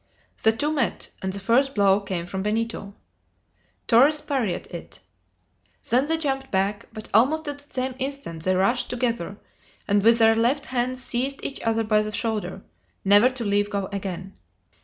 The two met, and the first blow came from Benito. Torres parried it. They then jumped back, but almost at the same instant they rushed together, and with their left hands seized each other by the shoulder never to leave go again.